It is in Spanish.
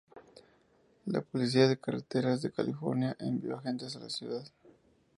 La Policía de Carreteras de California envió agentes a la ciudad.